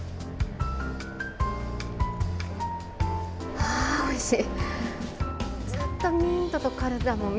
ああ、おいしい。